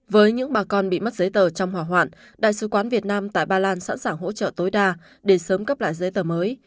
với những bà con bị mất giấy tờ trong hỏa hoạn đại sứ quán việt nam tại ba lan sẵn sàng hỗ trợ tối đa để sớm cấp lại giấy tờ mới